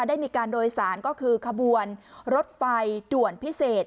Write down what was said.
ได้มีการโดยสารก็คือขบวนรถไฟด่วนพิเศษ